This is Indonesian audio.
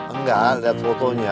enggak liat fotonya